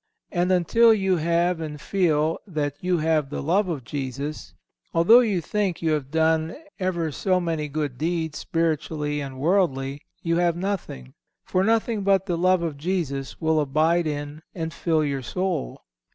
And until you have and feel that you have the love of Jesus, although you think you have done ever so many good deeds, spiritually and worldly, you have nothing, for nothing but the love of Jesus will abide in and fill your soul.